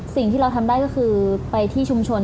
สิ่งที่เราทำได้ก็คือไปที่ชุมชน